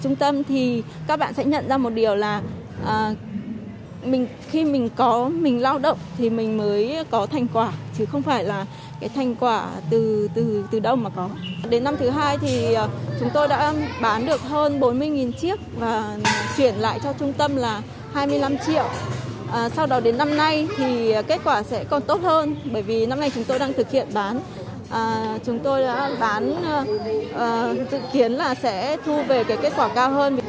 năm nay chúng tôi đang thực hiện bán chúng tôi đã bán thực hiện là sẽ thu về cái kết quả cao hơn